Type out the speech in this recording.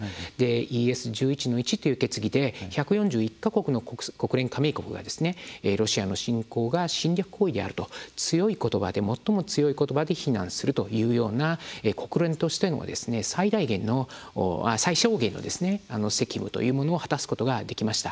ＥＳ‐１１／１という決議で１４１か国の国連加盟国がロシアの侵攻が侵略行為であると最も強い言葉で非難するというような国連としての最小限の責務というものを果たすことができました。